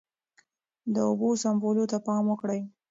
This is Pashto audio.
د اوبو سپمولو ته پام وکړئ.